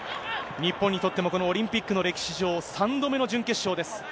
日本にとっても、このオリンピックの歴史上３度目の準決勝です。